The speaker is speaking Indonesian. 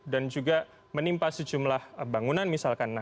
juga menimpa sejumlah bangunan misalkan